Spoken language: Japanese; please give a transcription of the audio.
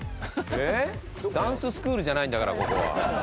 ダンススクールじゃないんだからここは。